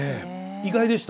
意外でした。